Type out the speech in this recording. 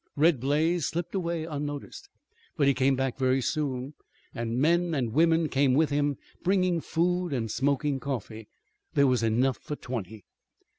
Red Blaze slipped away unnoticed. But he came back very soon, and men and women came with him, bringing food and smoking coffee. There was enough for twenty.